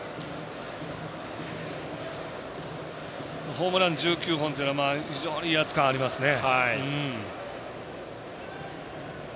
ホームラン１９本というのは非常に威圧感ありますね。